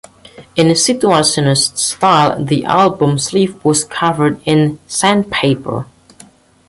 In Situationist style, the album sleeve was covered in sandpaper.